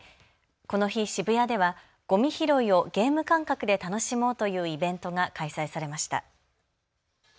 この日、渋谷ではごみ拾いをゲーム感覚で楽しもうというイベントが開催されました。